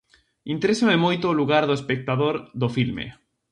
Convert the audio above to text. Interésame moito o lugar do espectador do filme.